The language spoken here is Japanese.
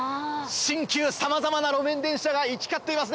新旧さまざまな路面電車が行き交っていますね。